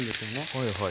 はいはい。